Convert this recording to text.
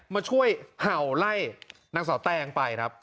มาช่วยเห่าไล่นางสาวแตงไปครับ